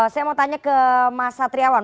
saya mau tanya ke mas satriawan